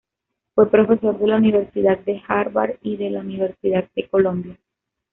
Fue profesor de la Universidad de Harvard y de la Universidad de Colombia.